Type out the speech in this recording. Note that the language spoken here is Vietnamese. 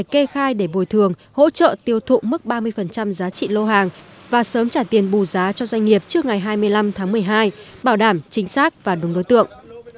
kê khai để bồi thường hỗ trợ tiêu thụ mức ba mươi giá trị lô hàng và sớm trả tiền bù giá cho doanh nghiệp trước ngày hai mươi năm tháng một mươi hai bảo đảm chính xác và đúng đối tượng